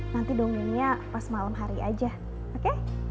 nanti dong ini pas malam hari aja oke